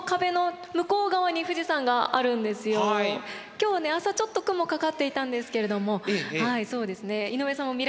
今日ね朝ちょっと雲かかっていたんですけれどもはいそうですね井上さんも見られました？